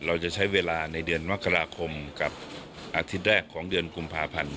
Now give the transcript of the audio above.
เราจะใช้เวลาในเดือนมกราคมกับอาทิตย์แรกของเดือนกุมภาพันธ์